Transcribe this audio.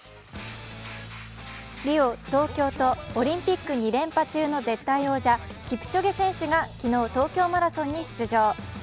リオ、東京とオリンピック２連覇中のキプチョゲ選手が昨日、東京マラソンに出場。